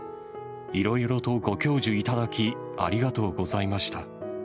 いろいろとご教授いただき、ありがとうございました。